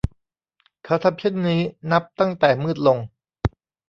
เขาทำเช่นนี้นับตั้งแต่มืดลง